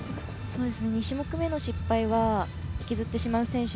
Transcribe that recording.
２種目めの失敗は引きずってしまう選手